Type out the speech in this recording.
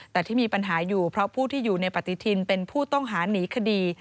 แต่ที่มีปัญหาอยู่เพราะผู้ที่อยู่ในปฏิทินเป็นผู้ต้องหาหนีคดี